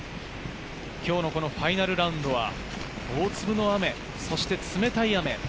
今日のこのファイナルラウンドは大粒の雨、そして冷たい雨。